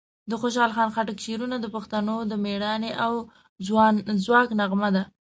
د خوشحال خان خټک شعرونه د پښتنو د مېړانې او ځواک نغمه ده.